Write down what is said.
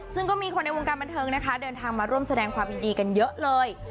ซึ่งก็มีคนในวงการบันเทิงนะคะเดินทางมาร่วมแสดงความยินดีกันเยอะเลย